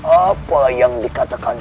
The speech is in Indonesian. apa yang dikatakan